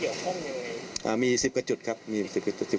ทั้งหมดมีกี่จุดครับสามารถบอกไว้ว่าเกี่ยวข้องยังไง